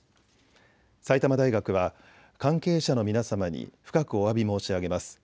埼玉大学は関係者の皆様に深くおわび申し上げます。